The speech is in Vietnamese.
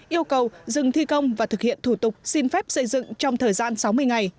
yêu cầu dừng thi công và thực hiện thủ tục xin phép xây dựng trong thời gian sáu mươi ngày